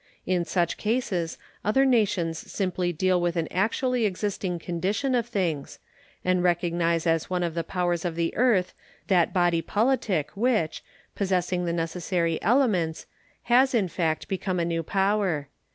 In such cases other nations simply deal with an actually existing condition of things, and recognize as one of the powers of the earth that body politic which, possessing the necessary elements, has in fact become a new power.